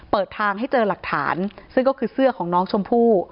เปิดทางให้เจอหลักฐานซึ่งก็คือเสื้อของน้องชมพู่